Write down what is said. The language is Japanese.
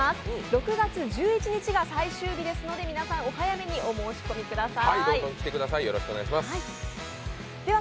６月１１日が最終日ですので、皆さん、お早めにお申し込みください。